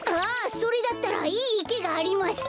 それだったらいいいけがあります。